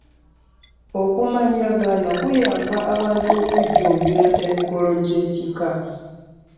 okumanyaganya kuyamba abantu okujjumbira emikolo gy'ekika.